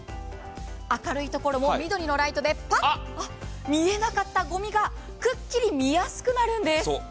明るいところも緑のライトでパッ、見えなかったごみがくっきり見やすくなるんです。